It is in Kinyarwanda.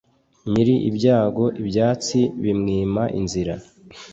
nyiri ibyago ibyatsi bimwima inzira